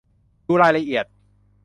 ดูรายละเอียด